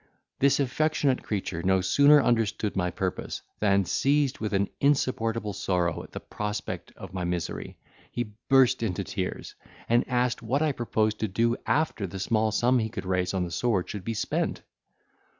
This affectionate creature no sooner understood my purpose, than, seized with insupportable sorrow at the prospect of my misery, he burst into tears, and asked what I proposed to do after the small sum he could raise on the sword should be spent.